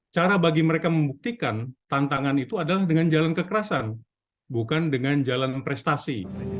cara bagi mereka membuktikan tantangan itu adalah dengan jalan kekerasan bukan dengan jalan prestasi